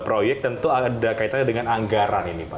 proyek tentu ada kaitannya dengan anggaran ini pak